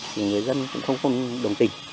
thì người dân cũng không đồng tình